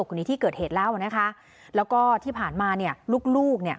คนนี้ที่เกิดเหตุแล้วนะคะแล้วก็ที่ผ่านมาเนี่ยลูกลูกเนี่ย